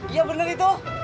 iya bener itu